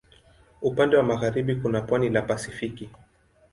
Upande wa magharibi kuna pwani la Pasifiki.